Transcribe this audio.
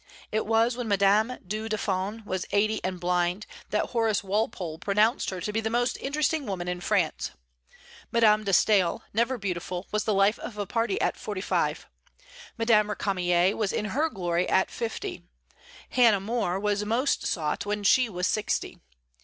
It was when Madame du Deffand was eighty, and blind, that Horace Walpole pronounced her to be the most interesting woman in France. Madame de Staël, never beautiful, was the life of a party at forty five; Madame Récamier was in her glory at fifty; Hannah More was most sought when she was sixty.